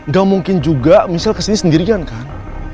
gak mungkin juga misal kesini sendirian kan